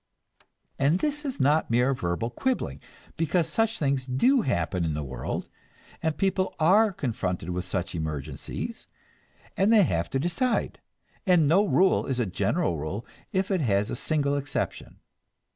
And this is not mere verbal quibbling, because such things do happen in the world, and people are confronted with such emergencies, and they have to decide, and no rule is a general rule if it has a single exception.